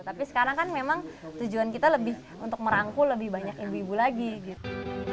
tapi sekarang kan memang tujuan kita lebih untuk merangkul lebih banyak ibu ibu lagi gitu